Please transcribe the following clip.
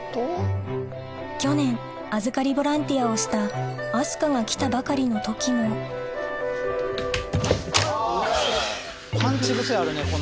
去年預かりボランティアをした明日香が来たばかりの時もパンチ癖あるね